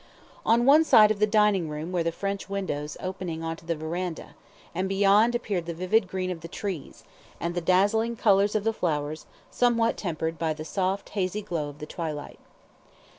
On one side of the dining room were the French windows opening on to the verandah, and beyond appeared the vivid green of the trees, and the dazzling colours of the flowers, somewhat tempered by the soft hazy glow of the twilight.